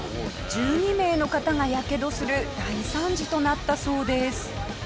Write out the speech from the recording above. １２名の方が火傷する大惨事となったそうです。